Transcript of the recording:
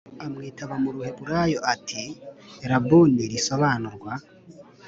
Amwitaba mu ruheburayo ati rabuni risobanurwa